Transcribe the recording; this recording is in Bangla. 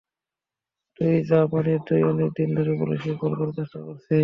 তুই যা পনির, তুই অনেক দিন ধরে পুলিশকে কল করার চেষ্টা করছিস।